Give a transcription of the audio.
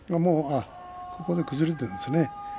ここで崩れているんですね。